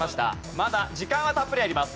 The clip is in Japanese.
まだ時間はたっぷりあります。